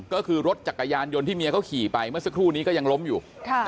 ก็คือรถจักรยานยนต์ที่เมียเขาขี่ไปเมื่อสักครู่นี้ก็ยังล้มอยู่